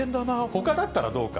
ほかだったらどうか。